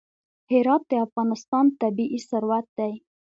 هرات د افغانستان طبعي ثروت دی.